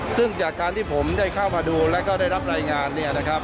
ซึ่งจากการที่ผมได้เข้ามาดูและได้รับรายงาน